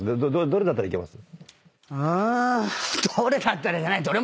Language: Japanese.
どれだったらいけます？